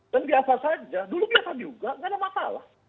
dan biasa saja dulu biasa juga enggak ada masalah